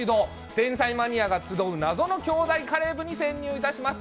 天才マニアが集う、謎の天才カレー部に潜入いたします。